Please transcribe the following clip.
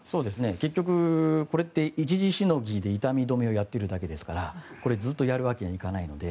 結局、これって一時しのぎで痛み止めをやってるだけですからずっとやるわけにはいかないので。